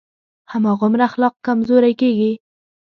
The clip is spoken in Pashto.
هماغومره اخلاق کمزوری کېږي.